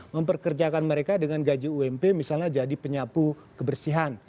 memperkerjakan mereka dengan gaji ump misalnya jadi penyapu kebersihan